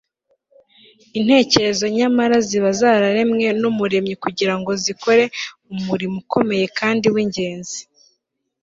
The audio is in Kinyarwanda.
intekerezo nyamara ziba zararemwe n'umuremyi kugira ngo zikore umurimo ukomeye kandi w'ingenzi